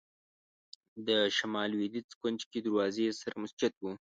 د شمال لوېدیځ کونج کې دروازې سره مسجد و.